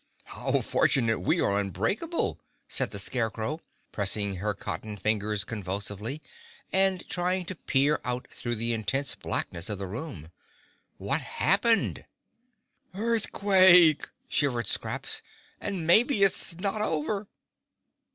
"How fortunate we are unbreakable," said the Scarecrow, pressing her cotton fingers convulsively and trying to peer out through the intense blackness of the room. "What happened?" "Earthquake!" shivered Scraps. "And maybe it's not over!"